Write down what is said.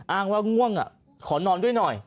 อ้างว่าง่วงขอนอนด้วยหน่อย